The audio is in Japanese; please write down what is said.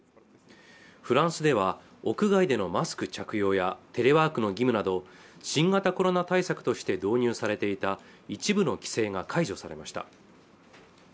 フランスでは屋外でのマスク着用やテレワークの義務など新型コロナ対策として導入されていた一部の規制が解除されました